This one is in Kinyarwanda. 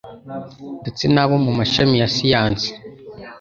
ndetse n'abo mu mashami ya siyansi